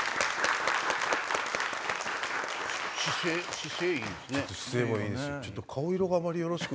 姿勢いいですね。